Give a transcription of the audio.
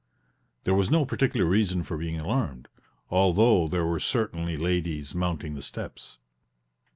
There was no particular reason for being alarmed, although there were certainly ladies mounting the steps.